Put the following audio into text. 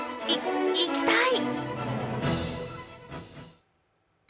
い、行きたい！